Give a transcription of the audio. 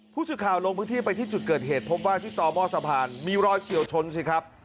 ผู้สื่อข่าวลงพื้นที่ไปที่จุดเกิดเหตุพบว่าที่ต่อหม้อสะพานมีรอยเฉียวชนสิครับ